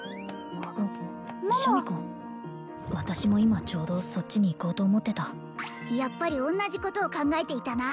桃あっシャミ子私も今ちょうどそっちに行こうと思ってたやっぱり同じことを考えていたな